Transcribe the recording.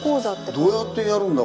どうやってやるんだ？